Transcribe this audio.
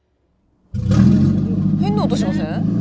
変な音しません？